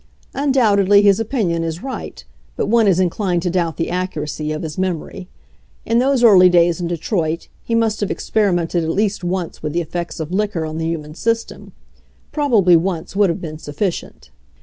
Undoubtedly his opinion is right, but one is in clined to doubt the accuracy of his memory. In those early days in Detroit he must have experi mented at least once with the effects of liquor on the human system ; probably once would have been sufficient.